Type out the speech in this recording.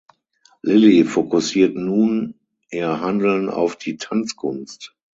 Lilly fokussiert nun ihr Handeln auf die Tanzkunst.